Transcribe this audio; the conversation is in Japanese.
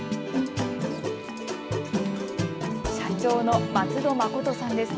社長の松戸誠さんです。